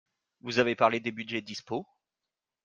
Vous avez parlé des budgets dispos?